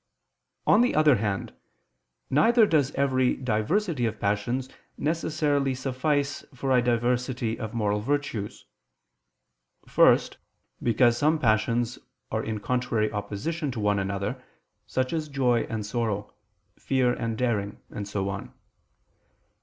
On the other hand, neither does every diversity of passions necessarily suffice for a diversity of moral virtues. First, because some passions are in contrary opposition to one another, such as joy and sorrow, fear and daring, and so on.